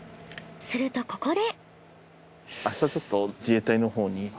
するとここで。